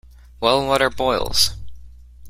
Well, what are boils?